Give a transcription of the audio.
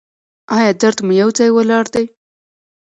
ایا درد مو یو ځای ولاړ دی؟